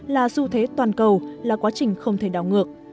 là du thế toàn cầu là quá trình không thể đào ngược